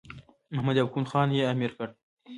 محمد یعقوب خان یې امیر کړ.